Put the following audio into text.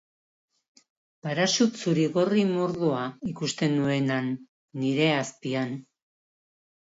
Paraxut zurigorri mordoa ikusten nuen han, nire azpian.